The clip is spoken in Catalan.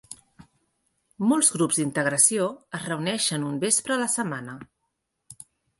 Molts grups d'integració es reuneixen un vespre a la setmana.